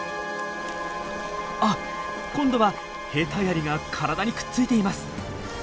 あっ今度は兵隊アリが体にくっついています。